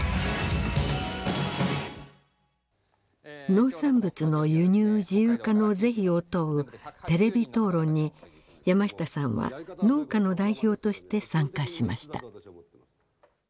農産物の輸入自由化の是非を問うテレビ討論に山下さんは農家の代表として参加しました。